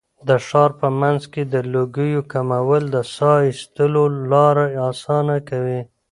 د ښار په منځ کې د لوګیو کمول د ساه ایستلو لاره اسانه کوي.